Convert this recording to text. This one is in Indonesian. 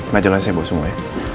majalah saya bawa semua ya